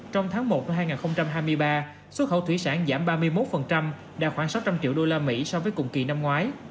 trong tháng một hai nghìn hai mươi ba xuất khẩu thủy sản giảm ba mươi một đa khoảng sáu trăm linh triệu đô la mỹ so với cùng kỳ năm ngoái